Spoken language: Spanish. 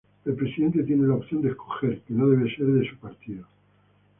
El presidente tiene la opción de escoger, que no debe ser de su partido.